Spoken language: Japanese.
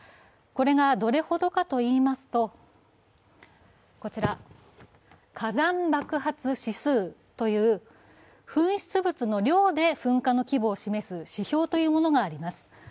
これがどれほどかといいますと火山爆発指数という噴出物の量で噴火の規模を示す指標があります。